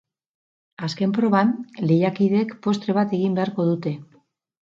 Azken proban, lehiakideek postre bat egin beharko dute.